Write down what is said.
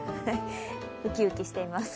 ウキウキしています。